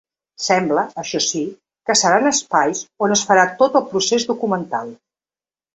Sembla, això sí, que seran espais on es farà tot el procés documental.